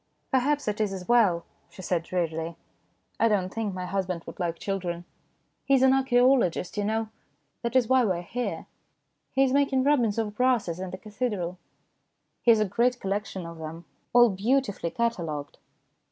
" Perhaps it is as well," she said drearily. " I don't think my husband would like children. He is an archaeologist, you know. That is why we are here. He is making rubbings of brasses in the cathedral. He has a great collection of them, all beautifully catalogued."